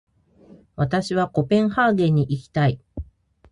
私はコペンハーゲンに行きたい。